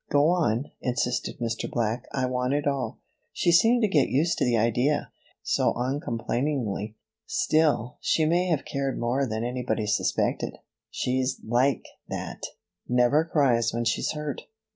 "Go on," insisted Mr. Black, "I want it all." "She seemed to get used to the idea so so uncomplainingly. Still, she may have cared more than anybody suspected. She's like that never cries when she's hurt."